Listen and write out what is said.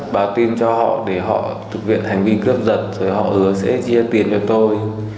báo tin cho họ để họ thực hiện hành vi cướp giật rồi họ hứa sẽ chia tiền cho tôi